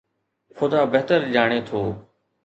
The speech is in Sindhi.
خدا بهتر ڄاڻي ٿو.